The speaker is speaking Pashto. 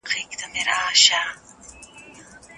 د صدقې ورکول انسان ته سکون ورکوي.